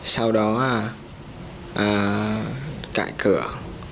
sau đó cãi cửa